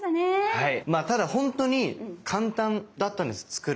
はい。